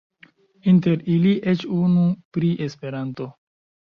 Inter ili eĉ unu pri Esperanto.